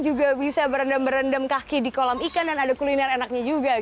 juga bisa berendam berendam kaki di kolam ikan dan ada kuliner enaknya juga